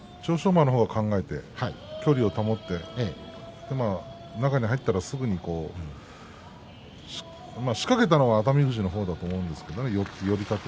馬の方が考えて距離を保って中に入ったら仕掛けたのは熱海富士の方だと思うんですけどね